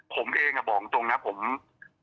ผมเองหลังจุบรองตรงนะ